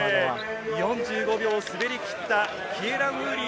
４５秒滑り切ったキエラン・ウーリー。